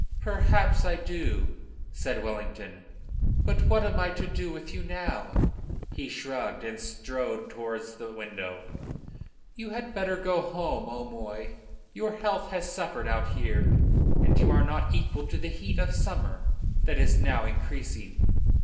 "Perhaps I do," said Wellington. "But what am I to do with you now?" He shrugged, and strode towards the window. "You had better go home, O'Moy. Your health has suffered out here, and you are not equal to the heat of summer that is now increasing.